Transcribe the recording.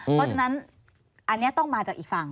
เพราะฉะนั้นอันนี้ต้องมาจากอีกฝั่ง